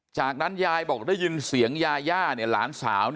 จากนั้นยายบอกได้ยินเสียงยาย่าหลานสาว